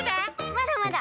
まだまだ。